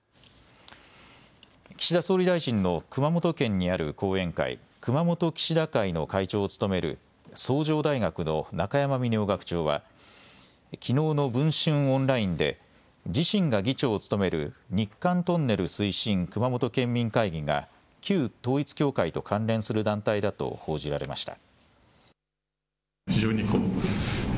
岸田総理大臣の熊本県にある後援会、熊本岸田会の会長を務める崇城大学の中山峰男会長は、きのうの文春オンラインで自身が議長を務める日韓トンネル推進熊本県民会議が旧統一教会と関連する団体だと報じられました。